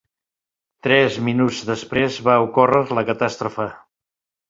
Tres minuts després va ocórrer la catàstrofe.